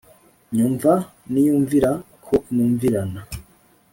Nyumva niyumvira ko numvirana